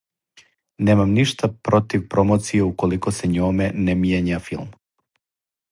Немам ништа против промоције уколико се њоме не мијења филм.